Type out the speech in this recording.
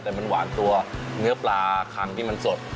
แต่มันหวานตัวเนื้อปลาคังที่มันสด